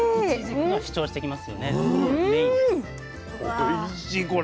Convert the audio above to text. おいしいこれ。